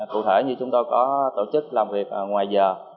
cụ thể như chúng tôi có tổ chức làm việc ngoài giờ